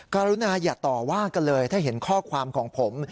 กรุณาอย่าต่อว่ากันเลยถ้าเห็นข้อความของผม